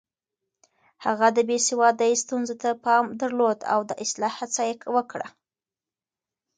هغه د بې سوادۍ ستونزو ته پام درلود او د اصلاح هڅه يې وکړه.